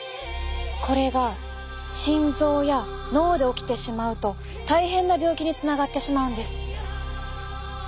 これが心臓や脳で起きてしまうと大変な病気につながってしまうんです。